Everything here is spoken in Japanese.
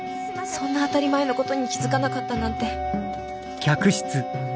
そんな当たり前のことに気付かなかったなんて。